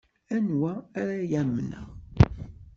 Anwa ara amneɣ?